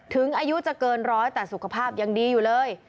อายุจะเกินร้อยแต่สุขภาพยังดีอยู่เลย